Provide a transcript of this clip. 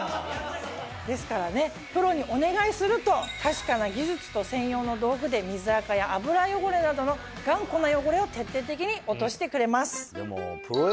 ですからプロにお願いすると確かな技術と専用の道具で水あかや油汚れなどの頑固な汚れを徹底的に落としてくれます。